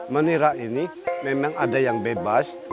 menira ini memang ada yang bebas